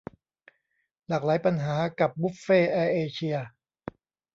หลากหลายปัญหา กับ บุฟเฟ่ต์แอร์เอเชีย